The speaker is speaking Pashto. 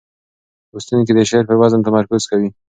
لوستونکي د شعر پر وزن تمرکز کوي.